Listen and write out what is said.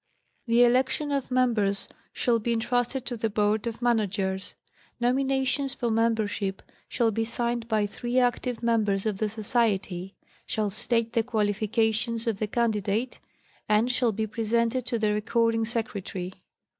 The election of members shall be entrusted to the Board of Managers. Nominations for membership shall be signed by three active members of the Society ; shall state the qualifications of the candidate ; and shall be presented to the Recording Secretary.